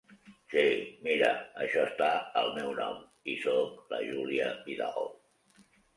Sí, mira això està al meu nom i soc la Júlia Vidal.